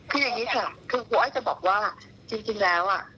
คืออย่างนี้ค่ะคือครูอ้อยจะบอกว่าจริงแล้วอ่ะ